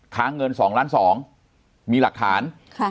ค้างเงิน๒ล้าน๒มีหลักฐาน